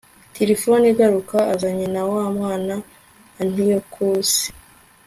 tirifoni agaruka azanye na wa mwana antiyokusi